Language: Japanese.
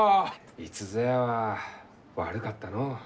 いつぞやは悪かったのう。